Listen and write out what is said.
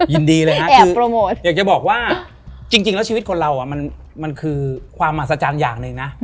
ยินดีเลยครับคืออยากจะบอกว่าจริงแล้วชีวิตคนเรามันคือความอัศจรรย์อย่างหนึ่งนะ